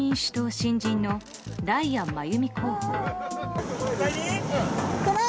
新人のライアン真由美候補。